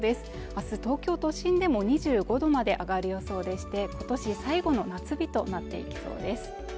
明日東京都心でも２５度まで上がる予想でして今年最後の夏日となっていきそうです